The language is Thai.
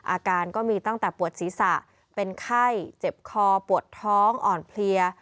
อาการก็มีตั้งแต่ปวดศีรษะเป็นไข้เจ็บคอปวดท้องอ่อนเพลีย